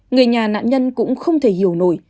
người nhà nạn nhân cũng không thể hiểu nổi